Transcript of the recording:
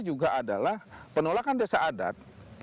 juga adalah penolakan desa adat